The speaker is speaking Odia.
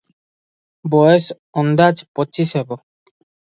ବୟସ ଅନ୍ଦାଜ ପଚିଶ ହେବ ।